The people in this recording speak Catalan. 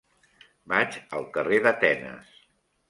Vaig al carrer d'Atenes.